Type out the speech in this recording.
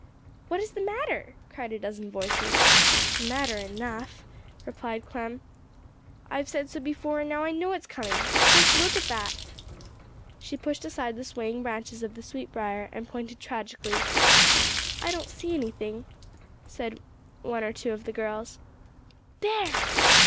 "What is the matter?" cried a dozen voices. "Matter enough," replied Clem. "I've said so before, and now I know it's coming. Just look at that." She pushed aside the swaying branches of the sweetbrier, and pointed tragically. "I don't see anything," said one or two of the girls. "_There!